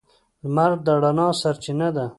• لمر د رڼا سرچینه ده.